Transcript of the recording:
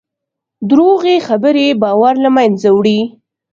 دروغې خبرې باور له منځه وړي.